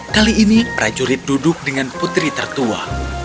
kali ini prajurit duduk dengan putri tertua